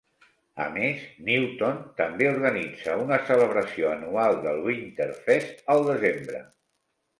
A més, Newtown també organitza una celebració anual del Winterfest el desembre.